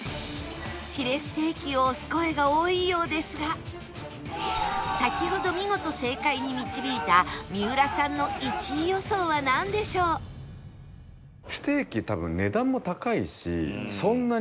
フィレステーキを推す声が多いようですが先ほど見事正解に導いた三浦さんの１位予想はなんでしょう？となってくると。